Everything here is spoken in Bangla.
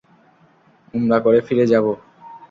উমরা করে ফিরে যাব।